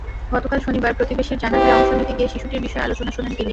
গতকাল শনিবার প্রতিবেশীর জানাজায় অংশ নিতে গিয়ে শিশুটির বিষয়ে আলোচনা শোনেন তিনি।